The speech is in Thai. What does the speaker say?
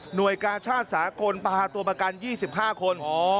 หน่วยกาชาติสาหกลปราศน์ตัวประกัน๒๕คน